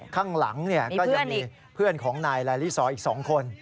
ข้างหลังก็ยังมีเพื่อนของนายลาลิซออีก๒คน